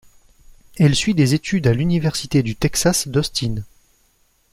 Elle suit des études à l'Université du Texas d'Austin.